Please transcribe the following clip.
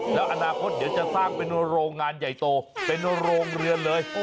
แล้วอนาคตเดี๋ยวจะสร้างเป็นโรงงานใหญ่โตเป็นโรงเรือนเลย